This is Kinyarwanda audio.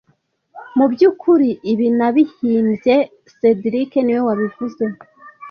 Mubyukuri, ibi nabihimbye cedric niwe wabivuze